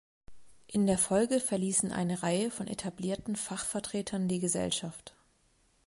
In der Folge verließen eine Reihe von etablierten Fachvertretern die Gesellschaft.